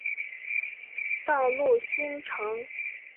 道路新城。